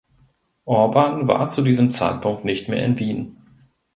Orban war zu diesem Zeitpunkt nicht mehr in Wien.